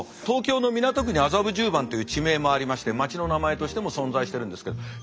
東京の港区に麻布十番という地名もありましてまちの名前としても存在してるんですけど。